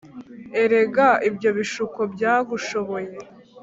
Erega ibyo bishuko byagushoboye